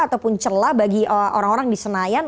atau pun celah bagi orang orang di senayan